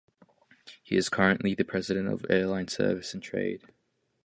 He is currently the president of Airlines Service and Trade.